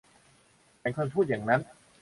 ฉันควรพูดอย่างนั้น !